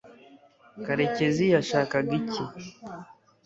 karekezi yashakaga iki